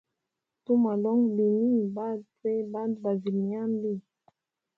Tumwalonga bini batwe bandu bavilye nyambi.